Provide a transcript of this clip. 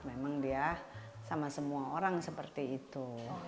memang dia sama semua orang seperti itu